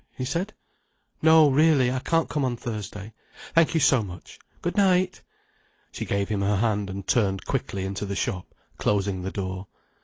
he said. "No, really. I can't come on Thursday—thank you so much. Good night!" She gave him her hand and turned quickly into the shop, closing the door.